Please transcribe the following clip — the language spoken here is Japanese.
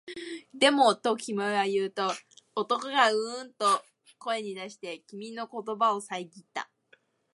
でも、と君は言うと、男がううんと声に出して、君の言葉をさえぎった